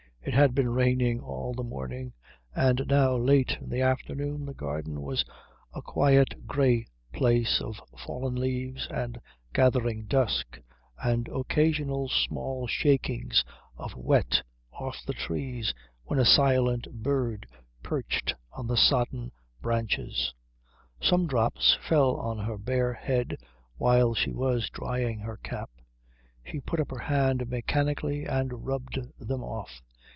It had been raining all the morning, and now late in the afternoon the garden was a quiet grey place of fallen leaves and gathering dusk and occasional small shakings of wet off the trees when a silent bird perched on the sodden branches. Some drops fell on her bare head while she was drying her cap. She put up her hand mechanically and rubbed them off.